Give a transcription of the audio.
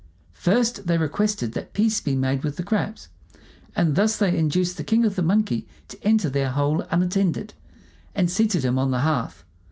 First, they requested that peace be made with the crabs; and thus they induced the king of the monkeys to enter their hole unattended, and seated him on the hearth.